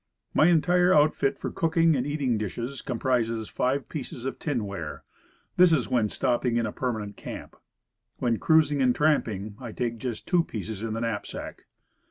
My entire outfit for cooking and eating dishes com prises five pieces of tinware. This is when stopping in a permanent camp. When cruising and tramping, 1 take just two pieces in the knapsack.